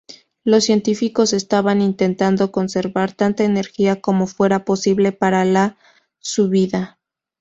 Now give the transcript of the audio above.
Los científicos estaban intentando conservar tanta energía como fuera posible para la subida.